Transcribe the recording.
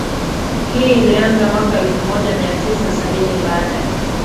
hii ilianza mwaka elfumoja miatisa sabini baada